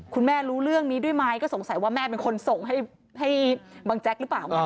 คุณแม่รู้เรื่องนี้ด้วยไหมก็สงสัยว่าแม่เป็นคนส่งให้บังแจ๊กหรือเปล่าไง